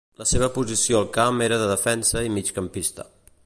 La seva posició al camp era de defensa i migcampista.